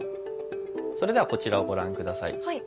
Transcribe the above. それではこちらをご覧ください。